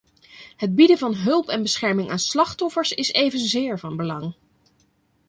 Het bieden van hulp en bescherming aan slachtoffers is evenzeer van belang.